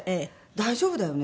大丈夫だよね？」